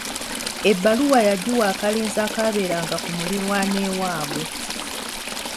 Ebbaluwa yagiwa akalenzi akaabeeranga ku muliraano ewaabwe.